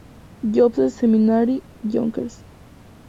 Joseph's Seminary, Yonkers.